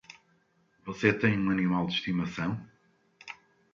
Você tem um animal de estimação?